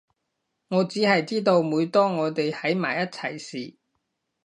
我只係知道每當我哋喺埋一齊時